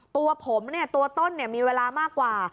ตัวผมเนี่ยตัวต้นเนี่ยมีเวลามากกว่า